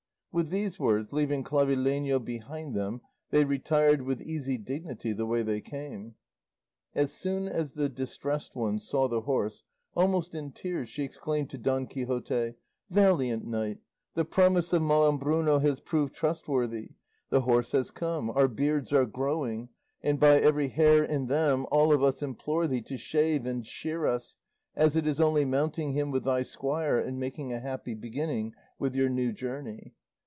With these words, leaving Clavileño behind them, they retired with easy dignity the way they came. As soon as the Distressed One saw the horse, almost in tears she exclaimed to Don Quixote, "Valiant knight, the promise of Malambruno has proved trustworthy; the horse has come, our beards are growing, and by every hair in them all of us implore thee to shave and shear us, as it is only mounting him with thy squire and making a happy beginning with your new journey."